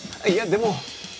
いやでも。